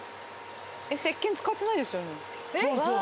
せっけん使ってないですよね？